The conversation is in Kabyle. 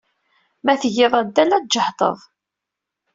Ma tgiḍ addal, ad tjehdeḍ.